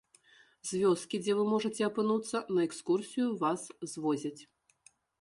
З вёскі, дзе вы можаце апынуцца, на экскурсію вас звозяць.